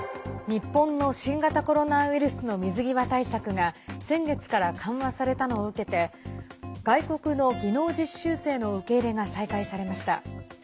日本の新型コロナウイルスの水際対策が先月から緩和されたのを受けて外国の技能実習生の受け入れが再開されました。